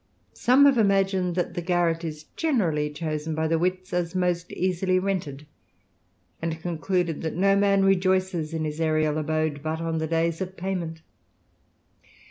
Some have imagined, that thi garret is generally chosen by the wits as most easil rented ; and concluded that no man rejoices in his aeri^ J abode, but on the days of payment.